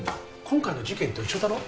今回の事件と一緒だろ？